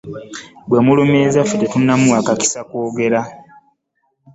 Gwe mulumiriza ffe tetunnamuwa kakisa kwogera.